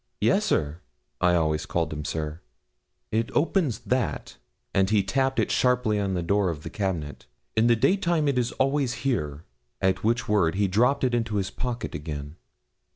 'Yes, sir.' I always called him 'sir.' 'It opens that,' and he tapped it sharply on the door of the cabinet. 'In the daytime it is always here,' at which word he dropped it into his pocket again.